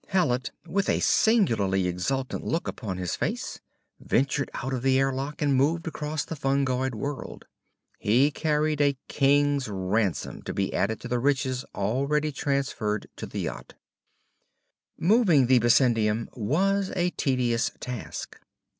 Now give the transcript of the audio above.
Hallet, with a singularly exultant look upon his face, ventured out of the airlock and moved across the fungoid world. He carried a king's ransom to be added to the riches already transferred to the yacht. Moving the bessendium was a tedious task.